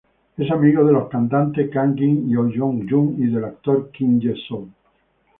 Es amigo de los cantantes Kangin y Oh Jong-hyuk, y del actor Kim Ji-seok.